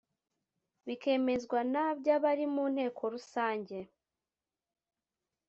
bikemezwa na by abari mu inteko rusange